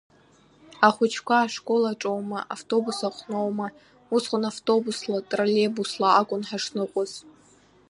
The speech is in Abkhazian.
Ахәыҷқәа ашкол аҿоума, автобус аҟноума, усҟан автобусла, троллеибусла акәын ҳашныҟәоз…